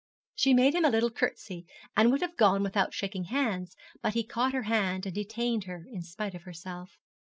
She made him a little curtsey, and would have gone without shaking hands, but he caught her hand and detained her in spite of herself.